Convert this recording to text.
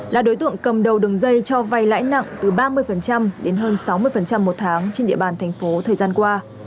là đối tượng cầm đầu đường dây cho vay lãi nặng từ ba mươi đến hơn sáu mươi một tháng trên địa bàn thành phố thời gian qua